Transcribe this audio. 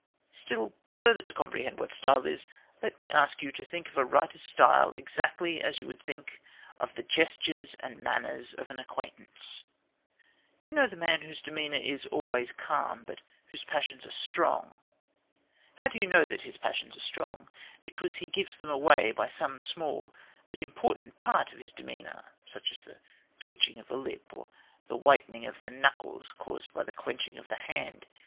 Still further to comprehend what style is, let me ask you to think of a writer's style exactly as you would think of the gestures and manners of an acquaintance. You know the man whose demeanour is "always calm," but whose passions are strong. How do you know that his passions are strong? Because he "gives them away" by some small, but important, part of his demeanour, such as the twitching of a lip or the whitening of the knuckles caused by clenching the hand.